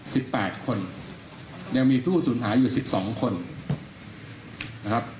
สิบแปดคนยังมีผู้สูญหายอยู่สิบสองคนนะครับ